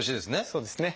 そうですね。